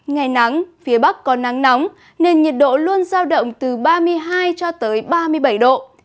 ngày nắng phía bắc có nắng nóng nên nhiệt độ luôn giao động từ ba mươi hai cho tới ba mươi bảy độ